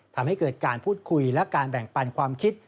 ทำให้เกิดการพูดคุยและการแบ่งปันความคิด